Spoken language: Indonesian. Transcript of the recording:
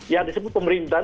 yang disebut pemerintahan